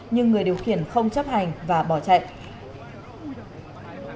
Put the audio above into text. nhưng người điều khiển không chấp hành và bỏ chạy